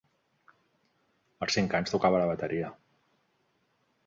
Als cinc anys, tocava la bateria.